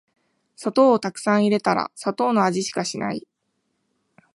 砂糖をたくさん入れたら砂糖の味しかしない